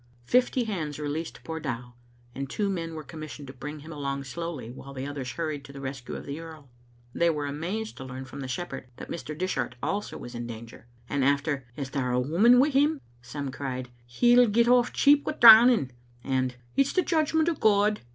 Fifty hands released poor Dow, and two men were commissioned to bring him along slowly while the others hurried to the rescue of the earl. They were amazed to learn from the shepherd that Mr. Dishart also was in danger, and after " Is there a woman wi' him? some cried, " He'll get oflE cheap wi' drowning," and " It's the judgment o' God."